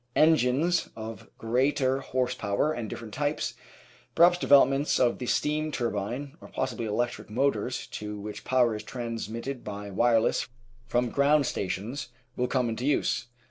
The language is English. Engines of greater horse power and different types, perhaps developments of the steam turbine or possibly electric motors to which power is transmitted by wireless from ground stations, will come into use.